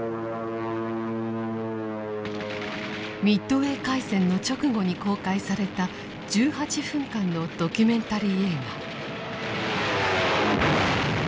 ミッドウェー海戦の直後に公開された１８分間のドキュメンタリー映画。